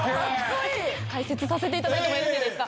解説させていただいてもよろしいですか。